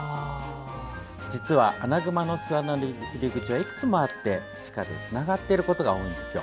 実は、アナグマの巣穴の入り口はいくつもあって地下でつながっていることが多いんです。